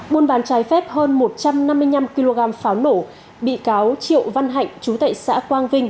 buôn bán trái phép hơn một trăm năm mươi năm kg pháo nổ bị cáo triệu văn hạnh chú tệ xã quang vinh